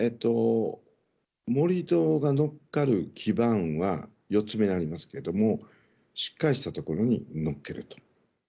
盛り土が乗っかる基盤は４つ目になりますがしっかりしたところに乗っけると。